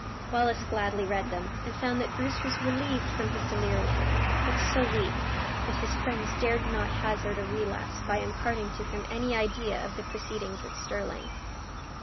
Wallace gladly read them, and found that Bruce was relieved from his delirium; but so weak, that his friends dared not hazard a relapse by imparting to him any idea of the proceedings at Stirling.